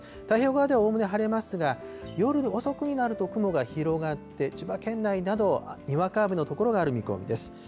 太平洋側ではおおむね晴れますが、夜遅くになると、雲が広がって、千葉県内など、にわか雨の所がある見込みです。